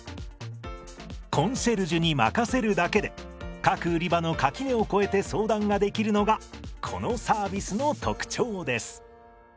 コンシェルジュに任せるだけで各売り場の垣根をこえて相談ができるのがこのサービスの特徴です。